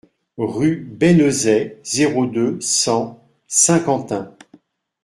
Rue Bénezet, zéro deux, cent Saint-Quentin